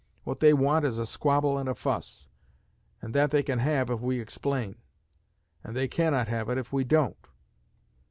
What they want is a squabble and a fuss; and that they can have if we explain; and they cannot have it if we don't.